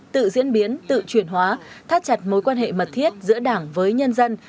tự diễn biến tự chuyển hóa thắt chặt mối quan hệ mật thiết giữa đảng với nhân dân